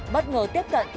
bất ngờ tiếp cận